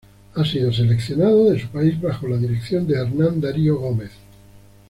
Ha sido seleccionado de su país bajo la dirección de Hernan Dario Gomez.